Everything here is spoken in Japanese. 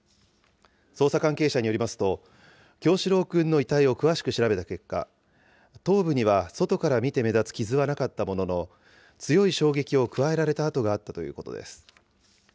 捜査関係者によりますと、叶志郎くんの遺体を詳しく調べた結果、頭部には外から見て目立つ傷はなかったものの、強い衝撃を加えられた痕があったということです。